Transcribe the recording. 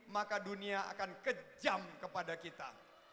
maka dunia akan kejam kepada kita